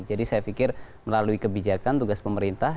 jadi saya pikir melalui kebijakan tugas pemerintah